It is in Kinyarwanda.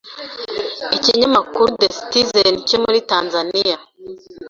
Ikinyamakuru The Citizen cyo muri Tanzania